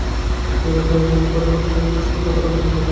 এইরূপে কথায় কথায় পরিহাস স্ফুটতর ও কটাক্ষ তীক্ষ্ণতর হইয়া উঠিতে লাগিল।